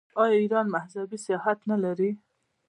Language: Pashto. آیا ایران مذهبي سیاحت نلري؟